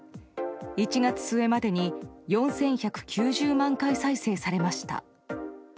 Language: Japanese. １月末までに４１９０万回再生されました。